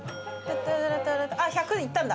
１００いったんだ。